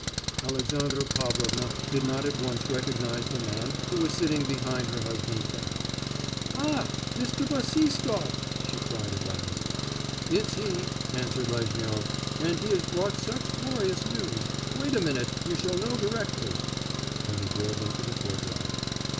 Alexandra Pavlovna did not at once recognise the man who was sitting behind her husband's back. 'Ah! Mr. Bassistoff!' she cried at last. 'It's he,' answered Lezhnyov; 'and he has brought such glorious news. Wait a minute, you shall know directly.' And he drove into the courtyard.